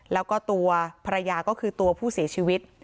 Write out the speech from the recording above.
แล้วก็ตัวภรรยาก็คือตัวผู้เสียชีวิต